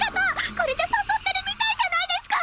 これじゃ誘ってるみたいじゃないですか！